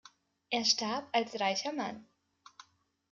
Er starb als reicher Mann.